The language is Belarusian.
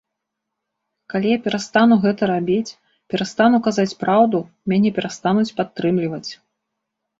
Калі я перастану гэта рабіць, перастану казаць праўду, мяне перастануць падтрымліваць.